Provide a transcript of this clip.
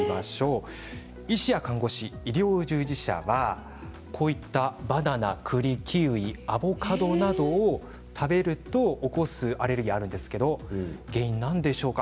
医師や看護師、医療従事者はバナナ、栗キウイ、アボカドなどを食べると起こすアレルギーがあるんですが原因は何でしょうか？